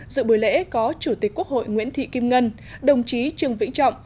dự buổi lễ có chủ tịch quốc hội nguyễn thị kim ngân đồng chí trường vĩnh trọng